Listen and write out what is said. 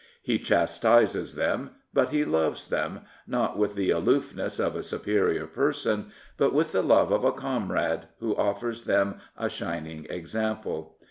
He chastises them; but he loves them, not with the aloofness of a superior person, but with the love of a comrade, who offers them a shining example.